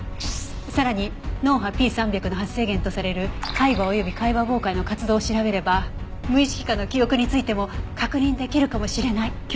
さらに脳波Ｐ３００の発生源とされる海馬および海馬傍回の活動を調べれば無意識下の記憶についても確認出来るかもしれない。